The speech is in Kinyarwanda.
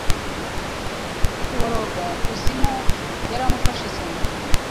Kuboroga-kuzimu Yaramufashe cyane